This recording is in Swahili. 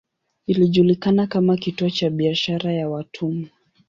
Ilijulikana kama kituo cha biashara ya watumwa.